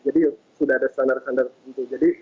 jadi sudah ada standar standar itu